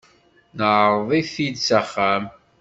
Neɛreḍ-it-id s axxam.